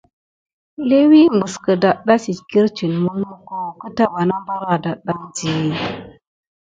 Léwi məs kədaɗɗa sit kirtine mulmuko keta bana bar adaɗɗaŋ di.